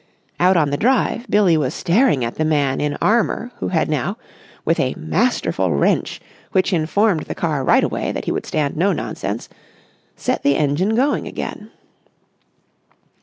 Out on the drive Billie was staring at the man in armour who had now, with a masterful wrench which informed the car right away that he would stand no nonsense, set the engine going again.